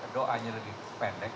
doanya lebih pendek